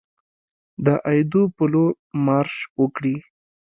د ایدو په لور مارش وکړي.